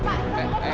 mama men kenapa sih